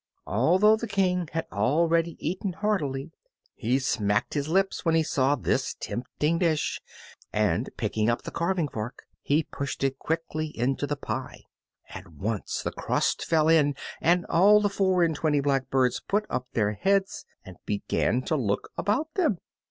Although the King had already eaten heartily, he smacked his lips when he saw this tempting dish, and picking up the carving fork he pushed it quickly into the pie. At once the crust fell in, and all the four and twenty blackbirds put up their heads and began to look about them.